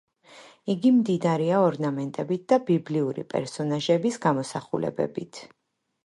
იგი მდიდარია ორნამენტებით და ბიბლიური პერსონაჟების გამოსახულებებით.